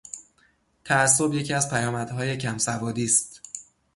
تعصب یکی از پیامدهای کم سوادی است.